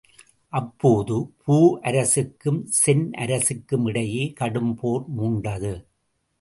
அப்போது, பூ அரசுக்கும் சென் அரசுக்கும் இடையே கடும்போர் மூண்டது.